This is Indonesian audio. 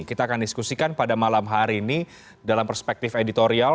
kita akan diskusikan pada malam hari ini dalam perspektif editorial